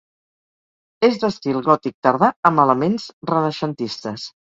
És d'estil gòtic tardà, amb elements renaixentistes.